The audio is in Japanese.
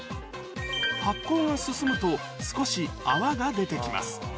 発酵が進むと少し泡が出て来ます